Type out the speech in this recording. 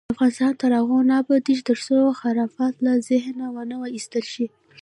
افغانستان تر هغو نه ابادیږي، ترڅو خرافات له ذهنه ونه ایستل شي.